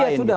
oh ya sudah